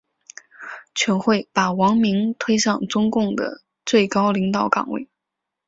全会把王明推上中共的最高领导岗位。